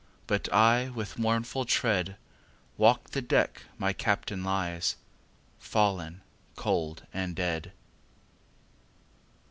But I, with mournful tread, Walk the deck my Captain lies, Fallen cold and dead.